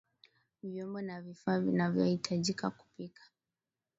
Vyombo na vifaa vinavyahitajika kupika